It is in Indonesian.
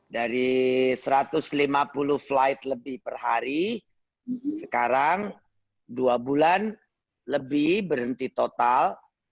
dari satu ratus lima puluh flight lebih per hari sekarang dua bulan lebih berhenti total